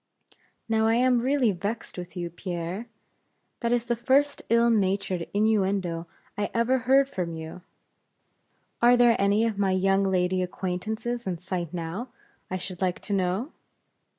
"Now I am really vexed with you, Pierre; that is the first ill natured innuendo I ever heard from you. Are there any of my young lady acquaintances in sight now, I should like to know?"